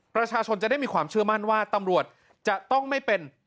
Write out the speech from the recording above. ประชาชนจะได้มีความเชื่อมั่นว่าตำรวจจะต้องไม่เป็น